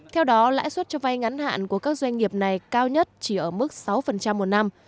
theo đó lãi suất cho vay ngắn hạn của các doanh nghiệp này cao nhất chỉ ở mức sáu một năm